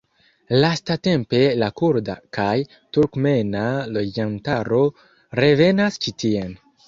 Lastatempe la kurda kaj turkmena loĝantaro revenas ĉi tien.